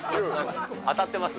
当たってます。